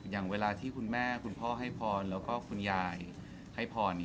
อย่างเวลาที่คุณแม่คุณพ่อให้พรแล้วก็คุณยายให้พร